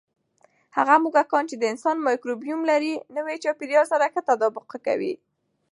هغه موږکان چې د انسان مایکروبیوم لري، نوي چاپېریال سره ښه تطابق کوي.